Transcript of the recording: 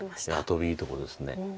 トビいいとこです。